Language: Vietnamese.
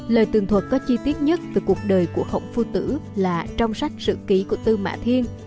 lời tường thuật có chi tiết nhất về cuộc đời của khổng phu tử là trong sách sự ký của tư mạ thiên